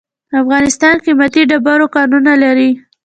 افغانستان قیمتي ډبرو کانونه لري.